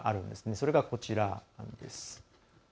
それがこちらなんです。